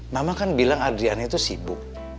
mama kan bilang adriana itu sibuk